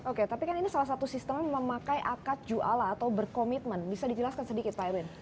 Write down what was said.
oke tapi kan ini salah satu sistem yang memakai akad jualla atau berkomitmen bisa dijelaskan sedikit pak erwin